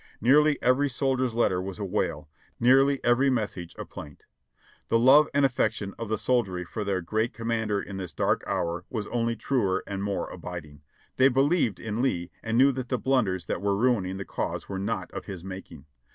Nearly every soldier's letter was a wail ; nearly every message a plaint. The love and aft'ection of the soldiery for their great commander in this dark hour was only truer and more abiding. They believed in Lee and knew that the blunders that were ruining the cause were not of his making.